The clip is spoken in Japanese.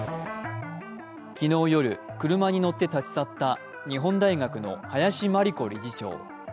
昨日夜、車に乗って立ち去った日本大学の林真理子理事長。